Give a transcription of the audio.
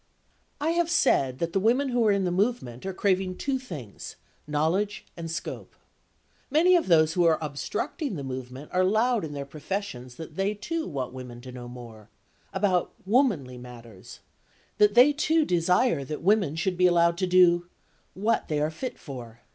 I have said that the women who are in the movement are craving two things, knowledge and scope. Many of those who are obstructing the movement are loud in their professions that they, too, want women to know more—about "womanly" matters; that they, too, desire that women should be allowed to do—what they are "fit" for.